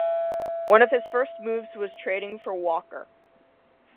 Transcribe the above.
One of his first moves was trading for Walker.